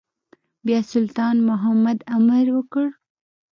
بيا سلطان محمود امر وکړ.